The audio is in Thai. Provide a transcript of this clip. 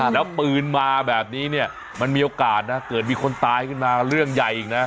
แล้วปืนมาแบบนี้เนี่ยมันมีโอกาสนะเกิดมีคนตายขึ้นมาเรื่องใหญ่อีกนะ